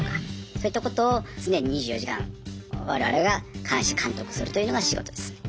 そういったことを常に２４時間我々が監視・監督するというのが仕事です。